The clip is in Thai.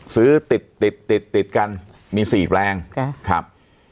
ซื้อติดติดติดกันมี๔แปลงครับ